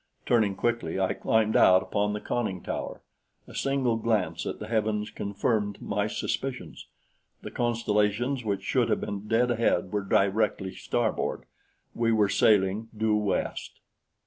Turning quickly, I climbed out upon the conning tower. A single glance at the heavens confirmed my suspicions; the constellations which should have been dead ahead were directly starboard. We were sailing due west.